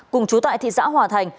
cùng chú tại thị xã hòa thành